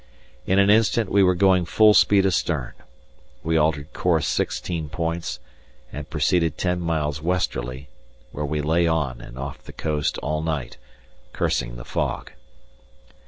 In an instant we were going full speed astern. We altered course sixteen points and proceeded ten miles westerly, where we lay on and off the coast all night, cursing the fog.